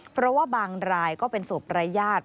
เพราะว่าบางรายก็เป็นศพรายญาติ